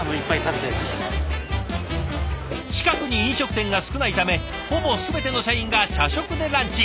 近くに飲食店が少ないためほぼ全ての社員が社食でランチ。